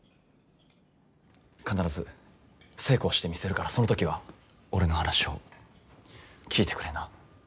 必ず成功してみせるからその時は俺の話を聞いてくれな。